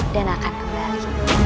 dan akan kembali